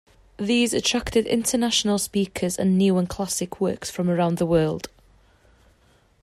These attracted international speakers and new and classic works from around the world.